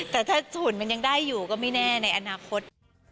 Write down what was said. แต่ถ้าฝุ่นมันยังได้อยู่ก็ไม่แน่ในอนาคต